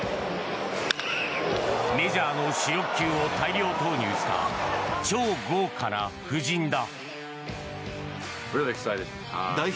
メジャーの主力級を大量投入した超豪華な布陣だ。